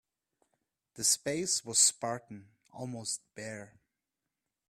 The space was spartan, almost bare.